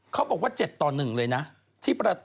เขาบอกว่าเจ็ดต่อหนึ่งเลยนะ